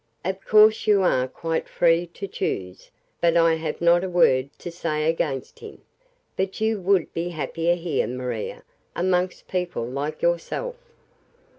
"Of course you are quite free to choose, and I have not a word to say against him. But you would be happier here, Maria, amongst people like yourself."